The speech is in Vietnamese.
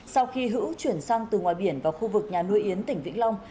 sau khi hữu chuyển sang từ ngoài biển vào khu vực nhà nuôi yến tỉnh vĩnh long